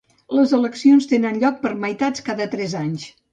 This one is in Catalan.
Les eleccions tenen lloc per meitats cada tres anys.